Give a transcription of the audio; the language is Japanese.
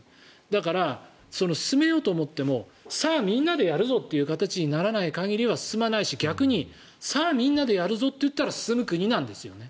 だから、進めようと思ってもさあ、みんなでやるぞという形にならない限りは進まないし、逆にさあ、みんなでやるぞと言ったら進む国なんですよね。